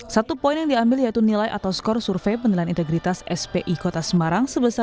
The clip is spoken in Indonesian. satu poin yang diambil yaitu nilai atau skor survei pendelan integritas spi kota semarang sebesar tujuh puluh empat